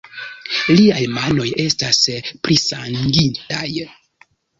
Liaj manoj estas prisangitaj.